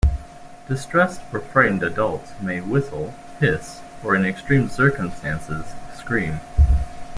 Distressed or frightened adults may whistle, hiss, or in extreme circumstances, scream.